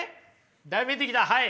だいぶ見えてきたはい。